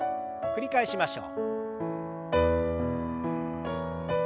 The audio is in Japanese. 繰り返しましょう。